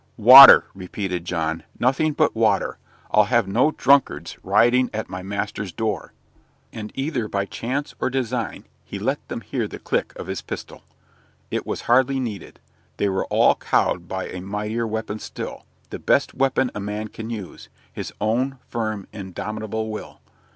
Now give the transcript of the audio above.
"Water," repeated John. "Nothing but water. I'll have no drunkards rioting at my master's door." And, either by chance or design, he let them hear the click of his pistol. But it was hardly needed. They were all cowed by a mightier weapon still the best weapon a man can use his own firm indomitable will.